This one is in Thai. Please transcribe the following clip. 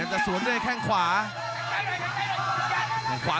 รับทราบบรรดาศักดิ์